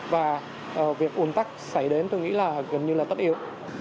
và việc ồn tắc xảy đến tôi nghĩ là gần như là tất yếu